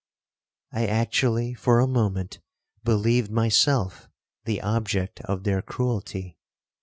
1 I actually for a moment believed myself the object of their cruelty.